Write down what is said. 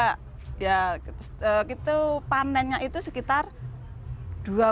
karena panennya itu sekitar dua buah